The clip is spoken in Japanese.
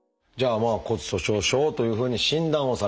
まあ「骨粗しょう症」というふうに診断をされました。